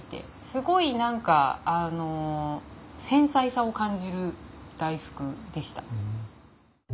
すごい何かあの繊細さを感じる大福でした。